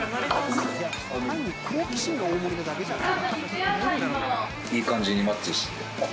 いや単に好奇心で大盛りなだけじゃない？